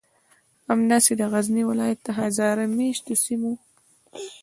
همداسې د غزنی ولایت د هزاره میشتو سیمو